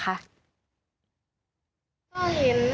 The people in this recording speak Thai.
ก็เห็นเอ่อร็อตเตอรี่ไปนึงมัน